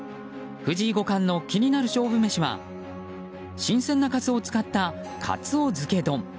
藤井五冠の気になる勝負メシは新鮮なカツオを使ったかつおづけ丼。